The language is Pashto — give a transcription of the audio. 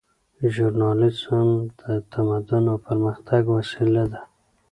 ژورنالیزم د تمدن او پرمختګ وسیله ده.